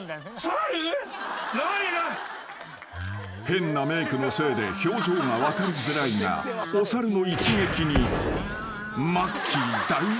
［変なメークのせいで表情が分かりづらいがお猿の一撃にマッキー大絶叫です］